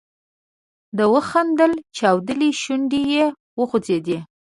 ده وخندل، چاودلې شونډې یې وخوځېدې.